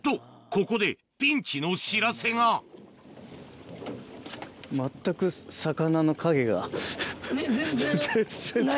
ここでピンチの知らせがあれ？